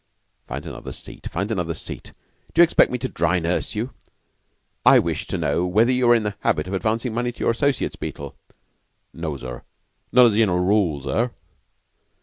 "Find another seat find another seat. D'you expect me to dry nurse you? I wish to know whether you are in the habit of advancing money to your associates, Beetle?" "No, sir; not as a general rule, sir."